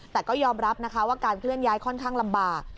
แต่ก็ยอมรับนะคะว่าการเคลื่อนย้ายค่อนข้างลำบาก